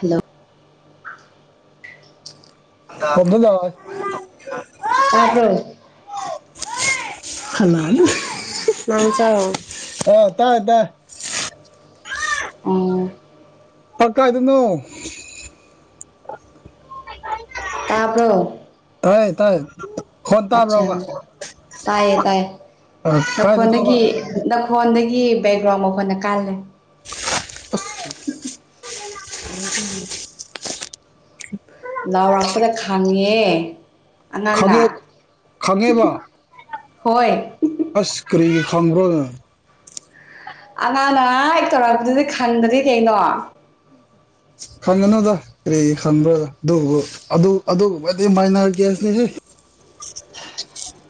Hello ꯕꯥꯕꯠ ꯂꯥꯎꯍꯩ ꯇꯥꯕ꯭ꯔꯣ ꯋꯣꯏ ꯍꯃ ꯅꯪ ꯆꯥꯔꯣꯅꯨ ꯑ ꯇꯥꯏ ꯇꯥꯏ ꯑꯣ ꯑ ꯀꯥꯏꯗꯅꯣ ꯇꯥꯕ꯭ꯔꯣ ꯇꯥꯏ ꯇꯥꯏ ꯈꯣꯟ ꯑꯠꯁꯥ ꯇꯥꯕ꯭ꯔꯕ ꯇꯥꯏꯌꯦ ꯇꯥꯏꯌꯦ ꯀꯥꯏꯗꯅꯣꯕ ꯅꯈꯣꯟꯗꯒꯤ ꯅꯈꯣꯟꯗꯒꯤ ꯒꯤ ꯕꯦꯛꯒ꯭ꯔꯥꯎꯟ ꯃꯈꯣꯜꯅ ꯀꯥꯜꯂꯦ ꯂꯥꯎꯔꯥꯛꯄꯗ ꯈꯥꯡꯉꯦꯑꯦ ꯈꯪꯉꯦ ꯈꯪꯉꯦꯕ ꯍꯣꯏ ꯑꯁ ꯀ꯭ꯔꯤ ꯈꯪꯕ꯭ꯔꯣꯅꯪ ꯑꯉꯥꯡꯅ ꯍꯥꯏ ꯇꯧꯔꯛꯄꯗꯨꯗꯤ ꯈꯪꯗꯗꯤ ꯀꯩꯅꯣ ꯈꯪꯒꯅꯨꯗ ꯀꯔꯤꯒꯤ ꯈꯪꯕ꯭ꯔꯗ ꯑꯗꯨꯕꯨ ꯑꯗꯨ ꯑꯗꯨꯒꯨꯝꯕꯗꯤ ꯃꯥꯏꯅꯔ ꯀꯦꯁꯅꯤ ꯍꯩ [inaudible]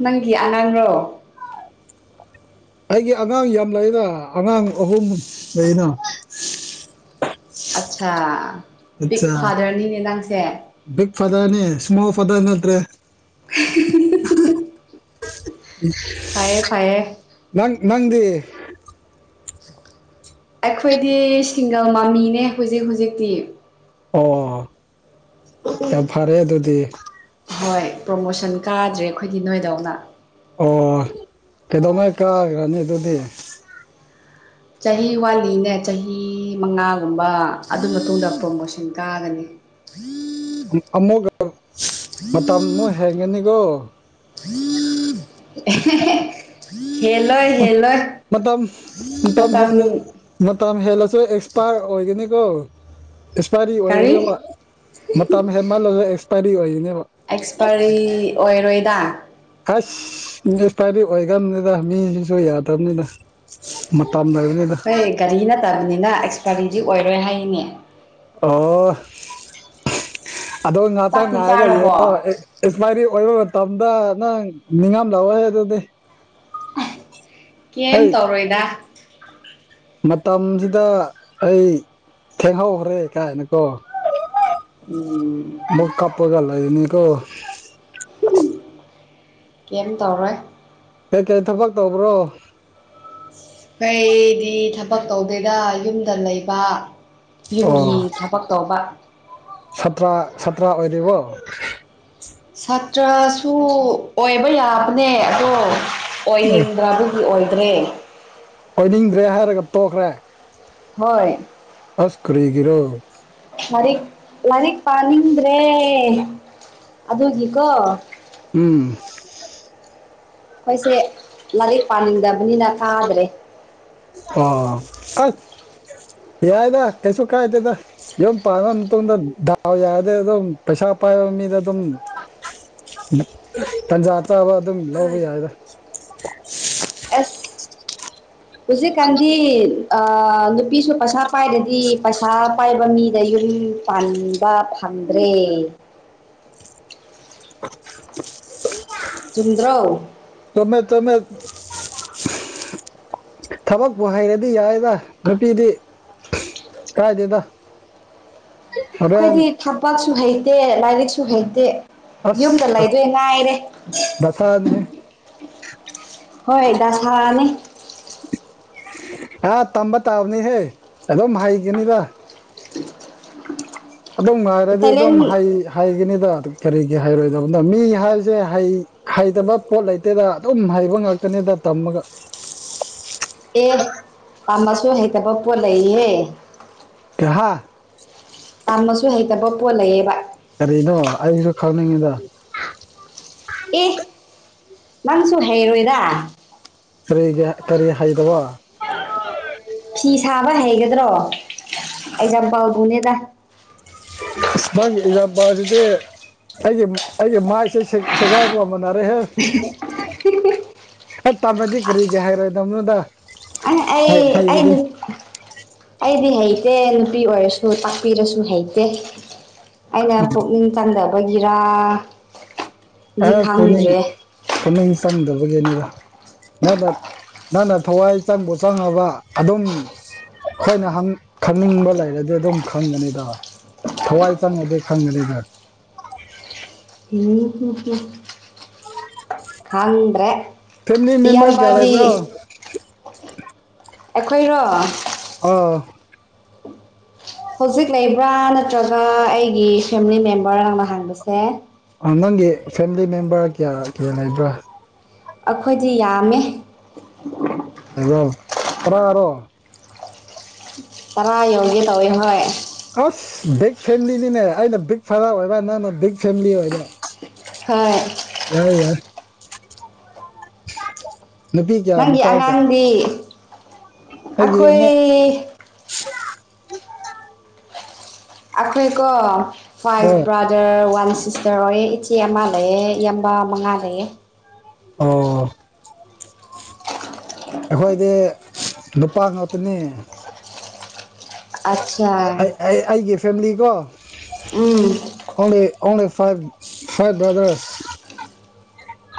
ꯅꯪꯒꯤ ꯑꯉꯥꯡꯔꯣ ꯑꯩꯒꯤ ꯑꯉꯥꯡ ꯌꯥꯝ ꯂꯩꯗ ꯑꯉꯥꯡ ꯑꯍꯨꯝ ꯁꯨꯏꯅ ꯑꯠꯁꯥ ꯑꯠꯆꯥ ꯕꯤꯒ ꯐꯥꯗꯔꯅꯤꯅꯦ ꯅꯪꯁꯦ ꯁꯃꯣꯜ ꯐꯥꯗ꯭ꯔ ꯅꯠꯇ꯭ꯔꯦ ꯐꯩꯌꯦ ꯏꯁ ꯐꯩꯌꯦ ꯅꯪ ꯅꯪꯗꯤ ꯑꯩꯈꯣꯏꯗꯤ ꯁꯤꯡꯒ ꯃꯃꯤꯅꯦ ꯍꯧꯖꯤꯛ ꯍꯧꯖꯤꯛꯇꯤ ꯑꯣ ꯌꯥꯝ ꯐꯔꯦ ꯑꯗꯨꯗꯤ ꯍꯣꯏ ꯄ꯭ꯔꯣꯃꯣꯁꯟ ꯀꯥꯗ꯭ꯔꯦ ꯑꯩꯈꯣꯏꯒꯤ ꯅꯣꯏꯗꯧꯅ ꯑꯣ ꯀꯩꯗꯧꯉꯩ ꯀꯥꯒ꯭ꯔꯅꯤ ꯑꯗꯨꯗꯤ ꯆꯍꯤ ꯋꯥꯠꯂꯤꯅꯦ ꯆꯍꯤ ꯃꯉꯥꯒꯨꯝꯕ ꯑꯗꯨ ꯃꯇꯨꯡꯗ ꯄ꯭ꯔꯣꯃꯣꯁꯟ ꯀꯥꯒꯅꯤ ꯑꯃꯨꯛ ꯑꯃꯨꯛꯒ ꯃꯇꯝ ꯑꯃꯨꯛ ꯍꯦꯟꯒꯅꯤꯀꯣ [unintelligible] ꯑꯦꯍꯦ ꯍꯦ ꯃ ꯃꯇꯝ ꯃꯇꯝ ꯍꯦꯜꯂ ꯃꯇꯝ ꯍꯦꯜꯂꯁꯨ ꯑꯦꯛꯁꯄꯥꯌꯔ ꯑꯣꯏꯒꯅꯤꯀꯣ ꯑꯦꯛꯁꯄꯥꯏꯔꯤ ꯀꯔꯤ ꯑꯣꯏꯒꯅꯦꯕ ꯃꯇꯝ ꯍꯦꯟꯃꯜꯂꯒ ꯑꯦꯛꯁꯄꯥꯏꯔꯤ ꯑꯣꯏꯒꯅꯦꯕ ꯑꯦꯛꯁꯄꯥꯢꯔꯤ ꯑꯣꯏꯔꯣꯏꯗ ꯑꯥꯁ ꯑꯦꯛꯁꯄꯥꯢꯔꯤ ꯑꯣꯏꯒꯕꯅꯤꯗ ꯃꯤꯖꯤꯖꯨ ꯌꯥꯗꯕꯅꯤꯗ ꯃꯇꯝ ꯂꯩꯕꯅꯤꯗ ꯍꯣꯏ ꯒꯥꯔꯤ ꯅꯠꯇꯕꯅꯤꯅ ꯑꯦꯛꯁꯄꯥꯢꯔꯤꯗꯤ ꯑꯣꯏꯔꯣꯏ ꯍꯥꯏꯔꯤꯅꯦ INAUDIBLE ꯑꯗꯣ ꯉꯥꯏꯍꯥꯛꯇꯪ ꯆꯥꯛꯇꯤ ꯉꯥꯏꯔꯒ ꯆꯥꯔꯕꯣ ꯌꯦꯡꯉꯣ ꯑꯦꯛꯁꯄꯥꯏꯔꯤ ꯑꯣꯏꯕ ꯇꯝꯗ ꯅꯪ ꯅꯤꯡꯉꯝ ꯂꯥꯛꯑꯣꯏ ꯑꯗꯨꯗꯤ ꯀꯩꯌꯤꯝ ꯇꯧꯔꯣꯏꯗ ꯃꯇꯝꯖꯤꯗ ꯑꯩ ꯊꯦꯡꯍꯧꯈ꯭ꯔꯦ ꯀꯥꯏꯅꯀꯣ ꯎꯝ ꯃꯨꯛ ꯀꯞꯄꯒ ꯂꯩꯒꯅꯤꯀꯣ ꯀꯩꯝ ꯇꯧꯔꯣꯏ ꯀꯩ ꯀꯩ ꯊꯕꯛ ꯇꯧꯕ꯭ꯔꯣ ꯑꯩ ꯗꯤ ꯊꯕꯛ ꯇꯧꯗꯦꯗ ꯌꯨꯝꯗ ꯂꯩꯕ ꯑꯣ ꯌꯨꯝꯒꯤ ꯊꯕꯛ ꯇꯧꯕ ꯊꯕꯛ ꯊꯕꯛ ꯑꯣꯏ INAUDIBLE ꯁꯥꯇ꯭ꯔꯥꯁꯨ ꯑꯣꯏꯕ ꯌꯥꯕꯅꯦ ꯑꯗꯣ ꯑꯦ ꯑꯣꯏꯅꯤꯡꯗ꯭ꯔꯥꯕꯒꯤ ꯑꯣꯏꯗ꯭ꯔꯦ ꯑꯣꯏꯅꯤꯡꯗ꯭ꯔꯦ ꯍꯥꯏꯔꯒ ꯇꯣꯛꯈ꯭ꯔꯦ ꯍꯣꯏ ꯑꯥꯁ ꯀ꯭ꯔꯤꯒꯤꯔꯣ ꯂꯥꯏꯔꯤꯛ-ꯂꯥꯏꯔꯤꯛ ꯄꯥꯅꯤꯡꯗ꯭ꯔꯦ ꯑꯗꯨꯒꯤꯀꯣ ꯎꯝ ꯈꯣꯏꯁꯦ ꯂꯥꯏꯔꯤꯛ ꯄꯥꯅꯤꯡꯗꯕꯅꯤꯅ ꯐꯥꯗ꯭ꯔꯦ ꯑꯣꯑꯣ ꯑꯥꯁ ꯌꯥꯏꯗ ꯀꯩꯁꯨ ꯀꯥꯏꯗꯦꯗ ꯌꯨꯝ ꯄꯥꯟꯕꯥ ꯃꯇꯨꯡꯗ ꯗꯥꯎ ꯌꯥꯔꯗꯤ ꯑꯗꯨꯝ ꯄꯩꯁꯥ ꯄꯥꯏꯕ ꯃꯤꯗ ꯑꯗꯨꯝ ꯇꯟꯖꯥ- ꯆꯥꯕ ꯑꯗꯨꯝ ꯂꯧꯕ ꯌꯥꯏꯗ ꯑꯦꯁ ꯍꯧꯖꯤꯛ ꯀꯥꯟꯗꯤ INAUDIBLE ꯑꯥ ꯅꯨꯄꯤꯁꯨ ꯄꯩꯁꯥ ꯄꯥꯏꯔꯗꯤ ꯄꯩꯁꯥ ꯄꯥꯏꯕ ꯃꯤꯗ ꯌꯨꯝ ꯄꯥꯟꯕ ꯐꯪꯗ꯭ꯔꯦ INAUDIBLE INAUDIBLE INAUDIBLE ꯆꯨꯝꯗ꯭ꯔꯣ ꯆꯨꯝꯃꯦ ꯆꯨꯝꯃꯦ ꯊꯥꯕꯛꯄꯨ ꯍꯩꯔꯗꯤ ꯌꯥꯏꯗ ꯅꯨꯄꯤꯗꯤ ꯀꯥꯏꯗꯦꯗ ꯍꯣꯔꯦꯟ ꯈꯣꯏꯗꯤ ꯊꯕꯛꯁꯨ ꯍꯩꯇꯦ ꯂꯥꯏꯔꯤꯛꯁꯨ ꯍꯩꯇꯦ ꯑꯁ ꯌꯨꯝꯗ ꯑꯁ ꯂꯩꯗꯣꯏ ꯉꯥꯏꯔꯦ ꯗꯁꯥꯅꯤꯍꯦ ꯍꯣꯏ ꯗꯁꯥꯅꯤ ꯑꯥ ꯇꯝꯕ- ꯇꯥꯕꯅꯤꯍꯦ ꯑꯗꯨꯝ ꯍꯩꯒ ꯅꯤꯗ INAUDIBLE ꯑꯗꯨꯝ ꯉꯥꯏꯔꯗꯤ ꯑꯗꯨꯝ ꯍꯩ ꯍꯩꯒꯅꯤꯗ ꯀꯔꯤꯒꯤ ꯍꯥꯏꯔꯣꯏꯗꯕꯅꯣꯗ ꯃꯤ ꯍꯥꯏꯕꯖꯦ ꯍꯩꯇꯕ ꯄꯣꯠ ꯂꯩꯇꯦꯗ ꯑꯗꯨꯝ ꯍꯩꯕ ꯉꯥꯛꯇꯅꯤ ꯗꯥ ꯇꯝꯃꯒ ꯑꯦ ꯄꯥꯝꯃꯁꯨ ꯍꯩꯇꯕ ꯄꯣꯠ ꯂꯩꯌꯦ ꯑꯍꯥ ꯇꯥꯝꯃꯁꯨ ꯍꯩꯇꯕ ꯄꯣꯠ ꯂꯩꯑꯦꯕ ꯀꯔꯤꯅꯣ ꯑꯩꯁꯨ ꯈꯪꯅꯤꯡꯉꯤꯗ ꯑꯦ ꯅꯪꯁꯨ ꯍꯩꯔꯣꯏꯗ ꯀꯔꯤꯒꯤ ꯀꯔꯤ ꯍꯥꯏꯗꯕ ꯐꯤ ꯁꯥꯕ ꯍꯩꯒꯗ꯭ꯔꯣ ꯑꯩꯖ ꯄꯥꯎꯗꯨꯅꯦꯗ ꯅꯪꯒꯤ ꯑꯦꯛꯖꯥꯝꯄꯥꯜꯁꯤꯗꯤ ꯑꯩꯒꯤ ꯑꯩꯒꯤ ꯃꯥꯏꯁꯦ ꯁꯦꯒꯥꯏꯕ ꯅꯔꯦꯍꯦ ꯑꯦ ꯇꯝꯃꯦꯗꯤ ꯀꯔꯤꯒꯦ ꯍꯥꯏꯔꯣꯏ ꯗꯝꯅꯣꯗ ꯑ ꯑꯩ ꯑꯩ ꯅꯨ ꯑꯩꯗꯤ ꯍꯩꯇꯦ ꯅꯨꯄꯤ ꯑꯣꯏꯔꯁꯨ ꯇꯥꯛꯄꯤꯔꯁꯨ ꯍꯩꯇꯦ ꯑꯩꯅ ꯄꯨꯛꯅꯤꯡ ꯆꯪꯗꯕꯒꯤꯔꯥ ꯑ ꯄꯨꯅꯤꯡ ꯄꯨꯅꯤꯡ ꯆꯪꯗꯕꯒꯤꯅꯤꯗ ꯅꯪꯅ ꯅꯪꯅ ꯊꯋꯥꯏ ꯆꯪꯕꯨ ꯆꯪꯉꯕ ꯑꯗꯨꯝ ꯑꯩꯈꯣꯏꯅ ꯍꯪ ꯈꯪꯅꯤꯡꯕ ꯂꯩꯔꯗꯤ ꯑꯗꯨꯝ ꯈꯪꯒꯅꯤꯗ ꯊꯋꯥꯏ ꯆꯪꯉꯗꯤ ꯈꯪꯒꯅꯤꯗ ꯎꯝ ꯎꯝ ꯎꯝ ꯈꯪꯗ꯭ꯔꯦ ꯐꯦꯃꯤꯂꯤ ꯃꯦꯝꯕꯔ ꯀꯌꯥ ꯏꯌꯥꯝꯕꯗꯤ ꯂꯩꯕ꯭ꯔꯣ ꯑꯩꯈꯣꯏꯔꯣ ꯑ ꯍꯧꯖꯤꯛ ꯂꯩꯕ꯭ꯔꯥ ꯅꯠꯇ꯭ꯔꯒ ꯑꯩꯒꯤ ꯐꯦꯃꯤꯂꯤ ꯃꯦꯝꯕꯔ ꯅꯪꯅ ꯍꯥꯡꯕꯁꯦ ꯑꯥ ꯅꯪꯒꯤ ꯐꯦꯃꯤꯂꯤ ꯃꯦꯝꯕꯔ ꯀꯌꯥ ꯀꯌꯥ ꯂꯩꯕ꯭ꯔꯥ ꯑꯩꯈꯣꯏꯗꯤ ꯌꯥꯝꯃꯦ [unintelligible] ꯇꯔꯥ ꯔꯣ ꯇꯔꯥ ꯌꯧꯒꯦ ꯇꯧꯋꯦ ꯍꯣꯏ ꯑꯁ ꯕꯤꯛ ꯐꯦꯃꯤꯂꯤꯅꯤꯅꯦ ꯑꯩꯅ ꯕꯤꯛ ꯐꯥꯗꯔ ꯑꯣꯏꯕ ꯅꯪꯅ ꯕꯤꯛ ꯐꯦꯃꯤꯂꯤ ꯑꯣꯏꯕ ꯍꯣꯏ ꯌꯥꯏ ꯌꯥꯏ ꯅꯨꯄꯤ ꯀꯌꯥ ꯅꯪꯒꯤ ꯅꯨꯄꯥ ꯀꯌꯥ ꯑꯉꯥꯡꯗꯤ ꯑꯩꯒꯤ ꯑꯉꯥꯡ ꯑꯩꯈꯣꯏ [unintelligible] ꯑꯩꯈꯣꯏꯀꯣ ꯐꯥꯏꯚ ꯍꯣꯏ ꯕ꯭ꯔꯥꯗꯔ ꯋꯥꯟ ꯁꯤꯁꯇꯔ ꯑꯣꯏꯌꯦ ꯏꯆꯦ ꯑꯃ ꯂꯩꯑꯦ ꯌꯥꯝꯕ ꯃꯉꯥ ꯂꯩꯑꯦ ꯑꯣ ꯑꯩꯈꯣꯏꯗꯤ ꯅꯨꯄꯥ ꯉꯥꯛꯇꯅꯤ ꯑꯆꯥ ꯑꯩ ꯑꯩ ꯑꯩꯒꯤ ꯐꯦꯃꯤꯂꯤ ꯀꯣ ꯑꯣꯂꯤ ꯑꯣꯂꯤ ꯐꯥꯏꯚ ꯐꯥꯏꯚ ꯕ꯭ꯔꯥꯗꯔꯁ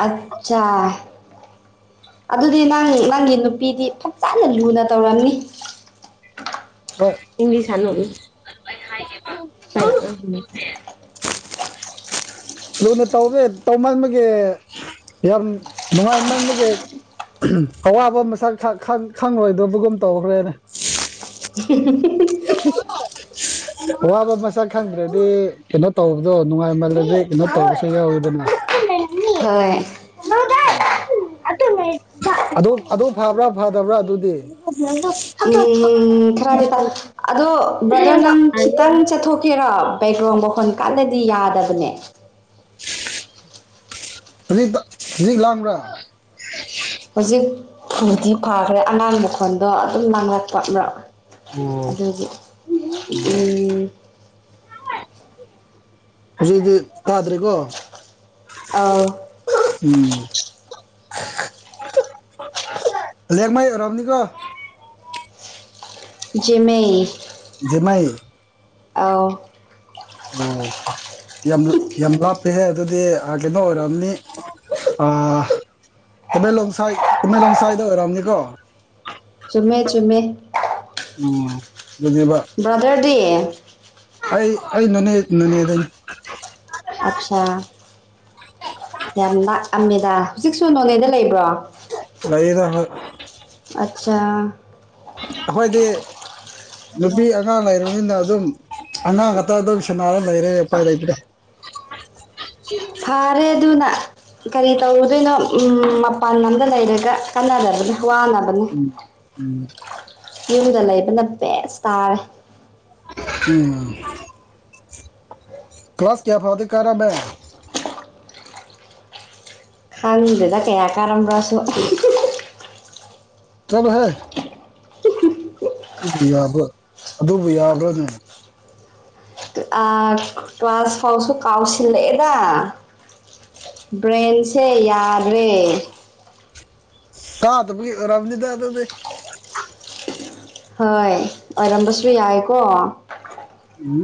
ꯑꯆꯥ ꯑꯗꯨꯗꯤ ꯅꯪ ꯅꯪꯒꯤ ꯅꯨꯄꯤꯗꯤ ꯐꯖꯅ ꯂꯨꯅ ꯇꯧꯔꯝꯅꯤ ꯑꯣ ꯏꯪꯂꯤꯁ ꯍꯅ ꯑꯩ ꯍꯥꯏꯒꯦꯕ [unintelligible] ꯂꯨꯅ ꯇꯧꯒꯦ ꯇꯧ ꯃꯟꯕꯒꯦ ꯌꯥꯝ ꯅꯨꯡꯉꯥꯏꯃꯟꯕꯒꯦ ꯑꯋꯥꯕ ꯃꯁꯛ ꯈ-ꯈꯪ-ꯈꯪꯂꯣꯏꯗꯕꯒꯨꯝ ꯇꯧꯒ꯭ꯔꯦꯅꯦ [unintelligible] [unintelligible] ꯑꯋꯥꯕ ꯃꯁꯛ ꯈꯪꯗ꯭ꯔꯗꯤ ꯀꯩꯅꯣ ꯇꯧꯕꯗꯣ ꯅꯨꯡꯉꯥꯏꯃꯜꯂꯗꯤ ꯀꯩꯅꯣ ꯇꯧꯕꯁꯨ ꯌꯥꯎꯋꯤꯗꯅ ꯍꯣꯏ [unintelligible] [unintelligible] ꯑꯗꯨ ꯑꯗꯨ ꯐꯕ꯭ꯔꯥ ꯐꯗꯕ꯭ꯔꯥ ꯑꯗꯨꯗꯤ ꯎꯝ ꯈꯔꯗꯤꯐ ꯕ꯭ꯔꯗꯔ ꯅꯪ ꯈꯤꯇꯪ ꯆꯠꯊꯣꯛꯀꯦꯔꯣ ꯄꯩꯕ꯭ꯔꯣ ꯃꯈꯣꯟ ꯀꯥꯟꯂꯗꯤ ꯌꯥꯗꯕꯅꯦ [unintelligible] ꯍꯨꯖꯤꯛ ꯂꯥꯡꯕ꯭ꯔꯥ ꯍꯧꯖꯤꯛ ꯐꯗꯤ ꯐꯥꯈ꯭ꯔꯦ ꯑꯉꯥꯡ ꯃꯈꯣꯟꯗꯣ ꯑꯗꯨꯝ ꯅꯥꯡꯂꯛꯄ ꯑꯃꯛ ꯑꯗꯨꯒꯤ ꯎꯝ ꯍꯧꯖꯤꯗꯤ ꯇꯥꯗ꯭ꯔꯦꯀꯣ ꯑꯧ ꯎꯝ ꯂꯦꯡꯃꯩ ꯔꯣꯏꯔꯝꯅꯤ ꯀꯣ ꯖꯦꯃꯩ ꯖꯦꯃꯥꯏ ꯑꯥꯎ ꯑꯣ ꯌꯥꯝ ꯌꯥꯝ ꯂꯥꯞꯄꯦꯍꯦ ꯑꯗꯨꯗꯤ ꯑꯥ ꯀꯩꯅꯣ ꯑꯣꯏꯔꯝꯅꯤ ꯑꯥ ꯇꯃꯦꯂꯣꯡꯁꯥꯏ ꯇꯃꯦꯂꯣꯡꯁꯥꯏꯗ ꯑꯣꯏꯔꯝꯅꯤꯀꯣ ꯆꯨꯝꯃꯦ ꯆꯨꯝꯃꯦ ꯎꯝ ꯑꯗꯨꯅꯦꯕ ꯕ꯭ꯔꯥꯗꯔ ꯗꯤ ꯑꯩ ꯑꯩ ꯅꯣꯅꯦ ꯅꯣꯅꯦꯗꯅꯦ ꯑꯠꯆꯥ ꯌꯥꯝ ꯂꯥꯑꯝꯃꯦ ꯇ ꯍꯧꯖꯤꯛꯁꯨ ꯅꯣꯅꯦꯗ ꯂꯩꯕ꯭ꯔꯣ ꯂꯩꯌꯦꯗ ꯃ ꯑꯠꯆꯥ ꯑꯈꯣꯏꯗꯤ ꯅꯨꯄꯤ ꯑꯉꯥꯡ ꯂꯩꯔꯝꯅꯤꯅ ꯑꯗꯨꯝ ꯑꯉꯥꯡ ꯈꯛꯇ ꯑꯗꯨꯝ ꯁꯦꯟꯅꯔ ꯂꯩꯔꯦ ꯎꯄꯥꯏ ꯂꯩꯇ꯭ꯔꯦ [inaudible] ꯐꯥꯔꯦ ꯑꯗꯨꯅ ꯀꯔꯤ ꯇꯧꯔꯨꯗꯣꯏꯅꯣ ꯎꯝ ꯃꯄꯥꯟ ꯂꯝꯗ ꯂꯩꯔꯒ ꯀꯥꯟꯅꯗꯕꯅ꯫ ꯎꯝ ꯎꯝ ꯌꯨꯝꯗ ꯂꯩꯕꯅ ꯕꯦꯁ ꯇꯥꯔꯦ꯫ ꯎꯝ ꯀ꯭ꯂꯥꯁ ꯀꯌꯥ ꯐꯥꯎꯗꯤ ꯀꯥꯔꯝꯃꯦ꯫ ꯈꯪꯗꯦꯗ ꯀꯌꯥ ꯀꯥꯔꯝꯕ꯭ꯔꯁꯨ꯫ ꯆꯠꯂꯣꯍꯦ꯫ ꯁꯤꯕꯨ ꯌꯥꯕ꯭ꯔ ꯑꯗꯨꯕꯨ ꯌꯥꯕ꯭ꯔꯥꯅꯦ ꯑꯥ ꯀ꯭ꯂꯥꯁ ꯐꯥꯎꯁꯨ ꯀꯥꯎꯁꯤꯜꯂꯛꯑꯦꯗ ꯕ꯭ꯔꯦꯟꯁꯦ ꯌꯥꯗꯔꯦ ꯀꯥꯗꯕꯒꯤ ꯑꯣꯏꯔꯝꯅꯤꯗ ꯑꯗꯨꯗꯤ ꯍꯣꯏ ꯑꯣꯏꯔꯝꯕꯁꯨ ꯌꯥꯏꯀꯣ ꯎꯝ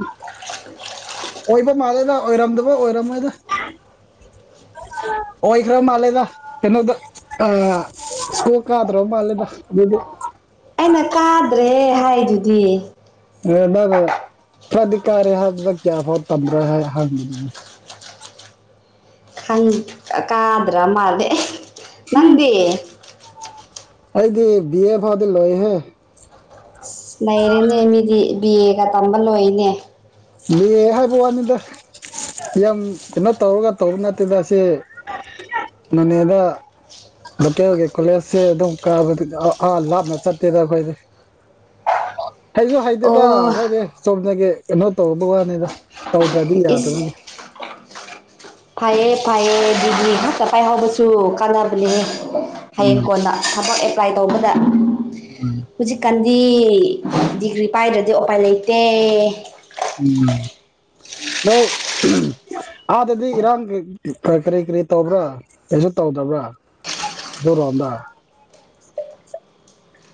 ꯑꯣꯏꯕ ꯃꯥꯜꯂꯦꯗ ꯑꯣꯏꯔꯝꯗꯕ ꯑꯣꯏꯔꯝꯃꯣꯏꯗ ꯑꯣꯏꯈꯔꯝ ꯃꯥꯂꯦꯗ ꯀꯩꯅꯣꯗ ꯑꯥ ꯁꯣ ꯀꯥꯗ꯭ꯔꯝ ꯃꯥꯜꯂꯦꯗ ꯑꯗꯨꯗꯤ ꯑꯩꯅ ꯀꯥꯗ꯭ꯔꯦ ꯍꯥꯏꯗꯨꯗꯤ [unintelligible] ꯈ꯭ꯔꯥꯗꯤ ꯀꯥꯔꯦ ꯍꯥꯏꯗꯨꯗ ꯀꯌꯥꯐꯥꯎ ꯇꯝꯕ꯭ꯔ ꯍꯥꯏ ꯍꯪꯕꯅꯤꯗ ꯈꯪ ꯑꯥ ꯀꯥꯗ꯭ꯔꯥ ꯃꯥꯜꯂꯦ ꯑꯦꯍꯦ ꯅꯪꯗꯤ ꯑꯣꯏꯗꯤ ꯕꯤ ꯑꯦ ꯐꯥꯎꯗꯤ ꯂꯣꯏꯌꯦꯍꯦ ꯑꯁ ꯅꯩꯔꯦꯅꯦ ꯃꯤꯗꯤ ꯕꯤ ꯑꯦꯒ ꯇꯝꯕ ꯂꯣꯏꯅꯦ ꯕꯤ ꯑꯦ ꯍꯥꯏꯕꯋꯥꯅꯤꯗ ꯌꯥꯝ ꯀꯩꯅꯣ ꯇꯧꯔꯒ ꯇꯧꯕ ꯅꯠꯇꯦꯗ ꯁꯦ ꯅꯣꯅꯦꯗ ꯂꯣꯀꯦꯜꯒꯤ ꯀꯣꯂꯦꯖꯁꯦ ꯑꯗꯨꯝ ꯀꯕꯗꯤꯗ ꯑꯥ ꯂꯥꯞꯅ ꯆꯠꯇꯦꯗ ꯑꯩꯈꯣꯏꯗꯤ ꯍꯩꯁꯨ ꯍꯩꯗꯦꯗ ꯑꯣ ꯑꯈꯣꯏꯗꯤ ꯆꯨꯝꯅꯒꯤ ꯀꯩꯅꯣ ꯇꯧꯕ ꯋꯥꯅꯤꯗ ꯇꯧꯗ꯭ꯔꯗꯤ ꯌꯥꯗꯕꯒꯤ ꯐꯥꯏꯌꯦ ꯐꯥꯏꯌꯦ ꯑꯗꯨꯗꯤ ꯉꯛꯇ ꯄꯥꯏꯍꯧꯕꯁꯨ ꯀꯥꯟꯅꯕꯅꯦꯍꯦ ꯍꯌꯦꯡ ꯎꯝ ꯀꯣꯟꯅ ꯊꯕꯛ ꯑꯦꯄ꯭ꯂꯥꯏ ꯇꯧꯕꯗ ꯎꯝ ꯍꯨꯖꯤꯛ ꯀꯥꯟ ꯗꯤ ꯗꯤꯒ꯭ꯔꯤ ꯄꯥꯏꯗ꯭ꯔꯗꯤ ꯑꯣꯄꯥꯏ ꯂꯩꯇꯦ ꯎꯝ ꯅꯣꯏ ꯑꯍꯨꯝ ꯑꯥꯗꯗꯤ ꯏꯔꯥꯡꯒꯤ ꯀꯔꯤ ꯀꯔꯤ ꯇꯧꯕ꯭ꯔꯥ ꯀꯩꯁꯨ ꯇꯧꯗꯕ꯭ꯔꯥ ꯑꯗꯨꯔꯣꯝꯗ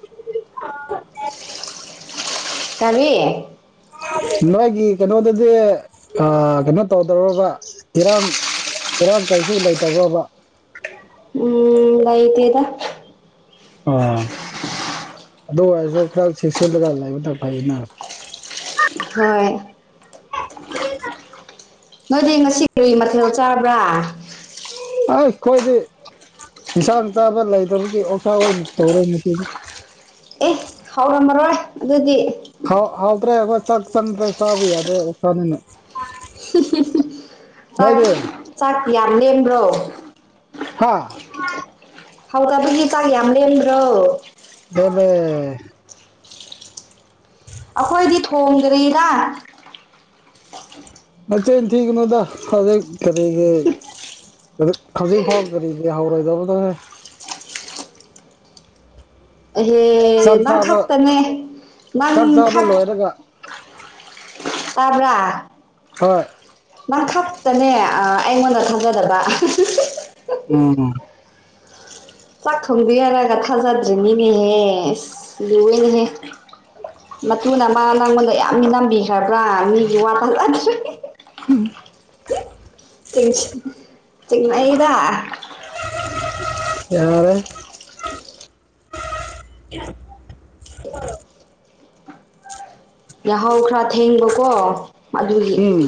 [unintelligible] ꯀꯔꯤ ꯅꯣꯏꯒꯤ ꯀꯩꯅꯣꯗꯗꯤ ꯑ ꯀꯩꯅꯣ ꯇꯧꯗꯕ꯭ꯔꯣꯕ ꯏꯔꯥꯡ ꯏꯔꯥꯡ ꯀꯩꯁꯨ ꯂꯩꯇꯕ꯭ꯔꯣꯕ ꯎꯝ ꯂꯩꯇꯦꯗ ꯑ ꯑꯗꯨ ꯑꯣꯏꯔꯁꯨ ꯈꯔ ꯆꯦꯛꯁꯤꯜꯂꯒ ꯂꯩꯕꯗꯣ ꯐꯩꯅ ꯍꯣꯏ ꯅꯣꯏꯗꯤ ꯉꯁꯤ ꯀꯔꯤ ꯃꯊꯦꯜ ꯆꯥꯕ꯭ꯔꯥ ꯑ ꯈꯣꯏꯗꯤ ꯏꯟꯁꯥꯡ ꯆꯥꯕ ꯂꯩꯇꯕꯒꯤ ꯑꯣꯛꯁꯥ ꯑꯣꯏꯅ ꯇꯧꯔꯦ ꯉꯁꯤꯗꯤ ꯑꯦ ꯍꯥꯎꯔꯝꯃꯔꯣꯏ ꯑꯗꯨꯗꯤ ꯍꯥꯎ ꯍꯥꯎꯇ꯭ꯔꯦ ꯑꯍꯣꯏ ꯆꯥꯛ ꯆꯪꯗꯔꯦ ꯆꯥꯕ ꯌꯗꯔꯦꯅꯦ ꯍꯨ ꯍꯨ ꯍꯨ ꯆꯥꯛ ꯅꯣꯏꯗꯤ ꯆꯥꯛ ꯌꯥꯝ ꯂꯦꯝꯕ꯭ꯔꯣ ꯍꯥꯥ ꯍꯧꯇꯕꯒꯤ ꯆꯥꯛ ꯌꯥꯝ ꯂꯦꯝꯕ꯭ꯔꯣ ꯂꯦꯝꯃꯦ ꯑꯈꯣꯏꯗꯤ ꯊꯣꯡꯗ꯭ꯔꯤꯗ ꯅꯆꯤꯟ ꯇꯤꯒꯅꯨꯗ ꯍꯧꯖꯤꯛ ꯀꯔꯤꯒꯤ ꯍꯧꯖꯤꯛ ꯐꯥꯎ ꯀꯔꯤꯒꯤ ꯍꯧꯔꯣꯏꯗꯕꯗꯣ ꯍꯦ ꯑꯍꯦ ꯆꯥꯛ ꯅꯪ ꯆꯥꯕ ꯈꯛꯇꯅꯦ ꯅꯪ ꯆꯥꯛ ꯆꯥꯕ ꯈꯛ ꯂꯣꯏꯔꯒ [inaudible] ꯇꯥꯕ꯭ꯔꯥ ꯍꯣꯏ ꯅꯪ ꯈꯛꯇꯅꯦ ꯑ ꯑꯩꯉꯣꯟꯗ ꯊꯥꯖꯗꯕ ꯎꯝ ꯆꯥꯛ ꯊꯣꯡꯗ꯭ꯔꯤ ꯍꯥꯏꯔꯒ ꯊꯥꯖꯗ꯭ꯔꯤꯅꯤꯅꯦꯍꯦ ꯂꯨꯋꯦꯅꯦꯍꯦ ꯃꯇꯨꯅ ꯃꯥ ꯅꯪꯉꯣꯟꯗ ꯌꯥꯝ ꯃꯤꯅꯝꯕꯤꯈ꯭ꯔꯕ꯭ꯔꯥ ꯃꯤꯒꯤ ꯋꯥ ꯊꯖꯗ꯭ꯔꯦ ꯍꯦ ꯍꯦ ꯆꯤꯡꯁꯤ ꯆꯤꯡꯅꯩꯗ ꯌꯥꯔꯦ [unintelligible] [unintelligible] ꯌꯥꯍꯧ ꯈꯔ ꯊꯦꯡꯕꯀꯣ ꯑꯗꯨꯒꯤ ꯎꯝ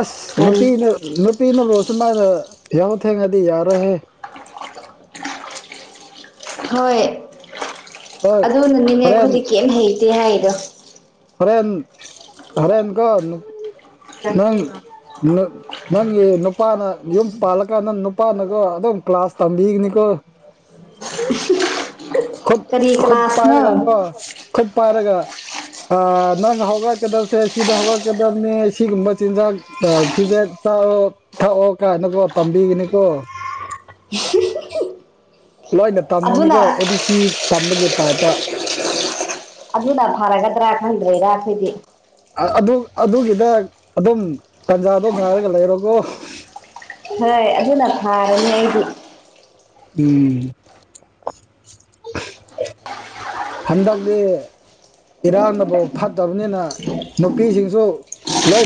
ꯑꯁ ꯊꯣꯡ ꯅꯨꯄꯤꯅ ꯅꯨꯄꯤꯅꯕꯨ ꯑꯁꯨꯝꯃꯥꯢꯅ ꯌꯍꯧ ꯊꯦꯡꯉꯗꯤ ꯌꯔꯔꯣꯏ ꯍꯦ ꯍꯣꯏ ꯍꯣꯏ ꯑꯗꯨꯅꯅꯤꯅꯦ ꯍꯣꯔꯦꯟ ꯑꯩꯈꯣꯏꯗꯤ ꯀꯔꯤꯝ ꯍꯩꯇꯦ ꯍꯥꯏꯔꯤꯗꯣ ꯍꯣꯔꯦꯟ ꯍꯣꯔꯦꯟꯀꯣ ꯅꯪ ꯅꯪꯒꯤ ꯅꯨꯄꯥꯅ ꯌꯨꯝ ꯄꯥꯜꯂꯀꯥꯟꯗꯪ ꯅꯪ ꯅꯨꯄꯥꯅꯀꯣ ꯑꯗꯨꯝ ꯀ꯭ꯂꯥꯁ ꯇꯝꯕꯤꯒꯅꯤꯀꯣ [inaudible] ꯍꯤ ꯍꯤ ꯈꯨꯠ ꯈꯨꯠ ꯄꯥꯏꯔꯒꯀꯣ ꯈꯨꯠ ꯄꯥꯏꯔꯒ ꯑꯥ ꯅꯪ ꯍꯧꯒꯠꯀꯗꯕꯁꯦ ꯁꯤꯗ ꯍꯧꯒꯠꯀꯗꯕꯅꯤ ꯑꯁꯤꯒꯨꯝꯕ ꯆꯤꯟꯖꯥꯛ ꯐꯤꯖꯦꯠ ꯆꯥꯎ ꯊꯛꯑꯣ ꯀꯥꯏꯅꯀꯣ ꯇꯝꯕꯤꯒꯅꯤꯀꯣ ꯍꯤꯍꯤ ꯂꯣꯏꯅ ꯑꯗꯨꯅ ꯇꯝꯒꯅꯤꯀꯣ ꯑꯦ ꯕꯤ ꯁꯤ ꯇꯝꯕꯒꯤ ꯇꯥꯏꯞꯇ ꯑꯗꯨꯅ ꯐꯔꯒꯗ꯭ꯔꯥ ꯈꯡꯗ꯭ꯔꯦꯗ ꯑꯩꯈꯣꯏꯗꯤ ꯑꯗꯨ ꯑꯗꯨꯒꯤꯗ ꯑꯗꯨꯝ ꯇꯟꯖꯥꯗꯣ ꯉꯥꯏꯔꯒ ꯂꯩꯔꯣꯀꯣ ꯍꯣꯏ ꯑꯗꯨꯅ ꯐꯥꯔꯅꯤ ꯑꯩꯗꯤ ꯎꯝ ꯍꯟꯗꯛꯇꯤ ꯏꯔꯥꯡꯐꯥꯎ ꯐꯠꯇꯕꯅꯤꯅ ꯅꯨꯄꯤꯁꯤꯡꯁꯨ ꯂꯣꯏꯅ